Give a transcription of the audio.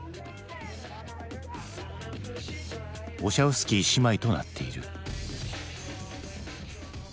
ウォシャウスキー姉妹となっている。